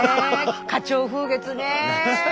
花鳥風月ね。